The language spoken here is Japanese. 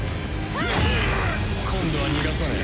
今度は逃がさねえ。